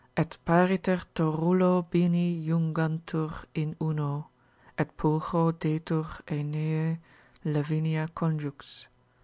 Et pariter torulo bini jungantur in uno, Et pulchro detur Aeneae Lavinia conjux.